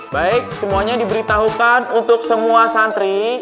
baik semuanya diberitahukan untuk semua santri